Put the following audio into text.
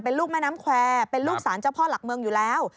เป็นลูกแม่น้ำแควร์เป็นลูกสารเจ้าพ่อหลักเมืองอยู่แล้ว